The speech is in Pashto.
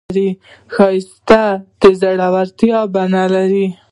ښایست د زړورتیا بڼه لري